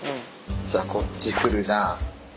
じゃこっち来るじゃん。